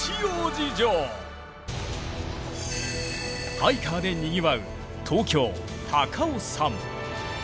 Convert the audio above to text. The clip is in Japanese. ハイカーでにぎわう東京・高尾山。